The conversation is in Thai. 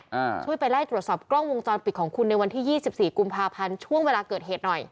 อ่าช่วยไปไล่ตรวจสอบกล้องวงจรปิดของคุณในวันที่ยี่สิบสี่กุมภาพันธ์ช่วงเวลาเกิดเหตุหน่อย